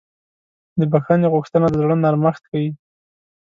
د بښنې غوښتنه د زړه نرمښت ښیي.